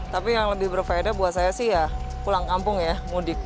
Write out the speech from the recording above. tapi yang lebih berfaeda buat saya sih ya pulang kampung ya mudik